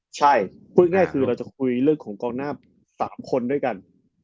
ใช่พูดง่ายคือเราจะคุยเรื่องของกองหน้า๓คนด้วยกัน